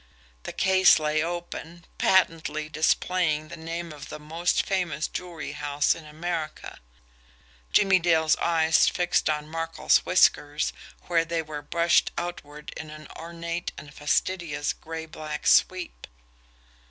The case lay open patently displaying the name of the most famous jewelry house in America. Jimmie Dale's eyes fixed on Markel's whiskers where they were brushed outward in an ornate and fastidious gray black sweep.